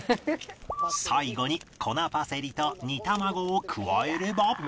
最後に粉パセリと煮卵を加えれば